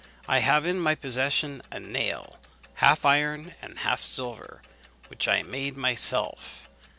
I have in my possession a nail, half iron and half silver, which I made myself.